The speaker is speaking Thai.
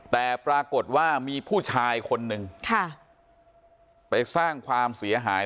แต่ปรากฏว่ามีผู้ชายคนนึงไปสร้างความเสียหาย